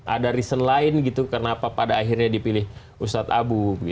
ada reason lain gitu kenapa pada akhirnya dipilih ustadz abu